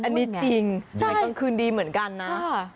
อันนี้จริงยามค่ำคืนดีเหมือนกันนะ